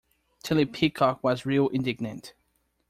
Tillie Peacock was real indignant.